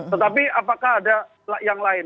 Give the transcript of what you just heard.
tetapi apakah ada yang lain